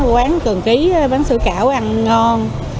quán cường ký bán sủi cảo ăn ngon